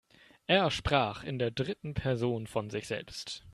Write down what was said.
Er sprach in der dritten Person von sich selbst.